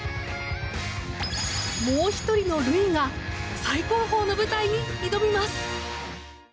もう１人のルイが最高峰の舞台に挑みます。